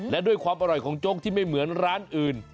และด้วยความอร่อยของโจ๊กที่ไม่เหมือนร้านอื่น